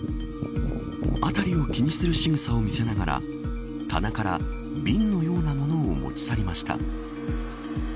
辺りを気にするしぐさを見せながら棚から瓶のようなものを持ち去りました。